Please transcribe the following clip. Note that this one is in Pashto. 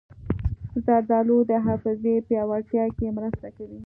زردالو د حافظې پیاوړتیا کې مرسته کوي.